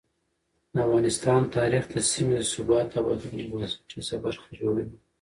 د افغانستان تاریخ د سیمې د ثبات او بدلونونو یو بنسټیزه برخه جوړوي.